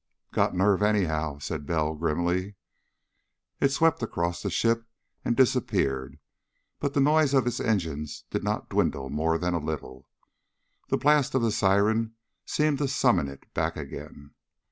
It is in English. "Got nerve, anyhow," said Bell grimly. It swept across the ship and disappeared, but the noise of its engines did not dwindle more than a little. The blast of the siren seemed to summon it back again.